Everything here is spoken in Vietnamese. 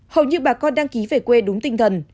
hầu như bà con đăng ký về quê đúng tinh thần